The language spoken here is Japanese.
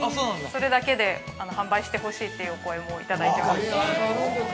それだけで販売してほしいというお声もいただいています。